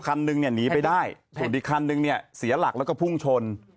คันหนึ่งหนีไปได้ส่วนดีคันหนึ่งเสียหลักแล้วก็พุ่งชน